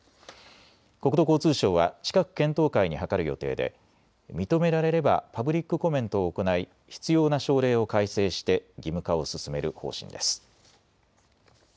国土交通省は近く検討会に諮る予定で認められればパブリックコメントを行い必要な省令を改正して義務化を進める方針です。